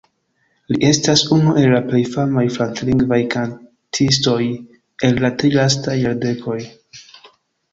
Li estas unu el la plej famaj franclingvaj kantistoj el la tri lastaj jardekoj.